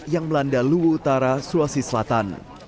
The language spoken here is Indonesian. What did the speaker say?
yang melanda luwutara suwasi selatan